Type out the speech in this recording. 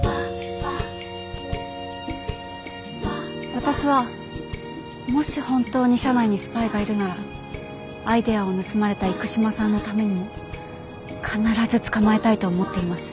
私はもし本当に社内にスパイがいるならアイデアを盗まれた生島さんのためにも必ず捕まえたいと思っています。